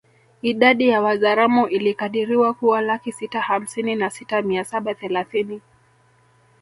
Idadi ya Wazaramo ilikadiriwa kuwa laki sita hamsini na sita mia saba thelathini